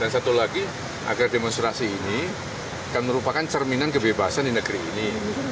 dan satu lagi agar demonstrasi ini akan merupakan cerminan kebebasan di negeri ini